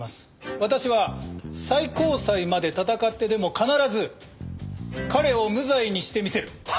私は最高裁まで戦ってでも必ず彼を無罪にしてみせる。